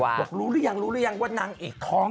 บอกรู้หรือยังรู้หรือยังว่านางเอกท้อง